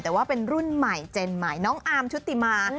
แต่ว่าเป็นรุ่นใหม่เจนใหม่น้องอาร์มชุติมา